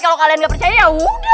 kalau kalian gak percaya ya udah